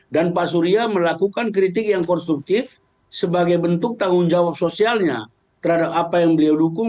dan pak surya melakukan kritik yang konstruktif sebagai bentuk tanggung jawab sosialnya terhadap apa yang beliau dukung